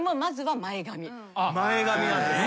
前髪なんですね。